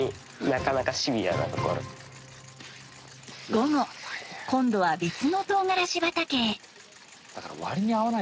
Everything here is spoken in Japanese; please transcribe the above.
午後今度は別のとうがらし畑へ。